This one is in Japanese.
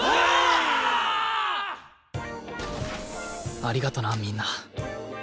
ありがとなみんな